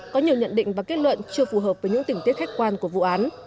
có nhiều nhận định và kết luận chưa phù hợp với những tỉnh tiết khách quan của vụ án